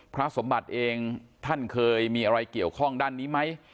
พระสมบัติเองท่านเคยมีอะไรเกี่ยวข้องด้านนี้ไหม